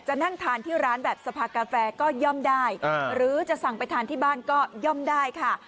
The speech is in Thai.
นั่งทานที่ร้านแบบสภากาแฟก็ย่อมได้หรือจะสั่งไปทานที่บ้านก็ย่อมได้ค่ะ